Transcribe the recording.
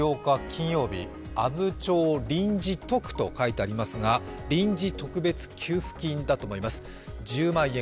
金曜日、アブチョウリンジトクと書いてありますが臨時特別給付金だと思います、１０万円。